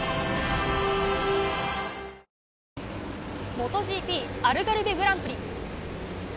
ＭｏｔｏＧＰアルガルベグランプリ。